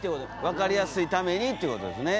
分かりやすいためにということですね。